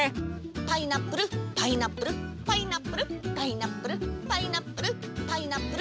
パイナップルパイナップルパイナップルパイナップルパイナップル。